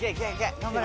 頑張れ！